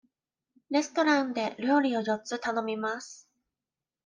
レストランで料理を四つ頼みます。